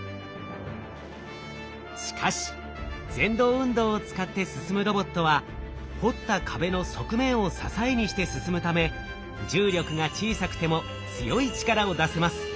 しかし蠕動運動を使って進むロボットは掘った壁の側面を支えにして進むため重力が小さくても強い力を出せます。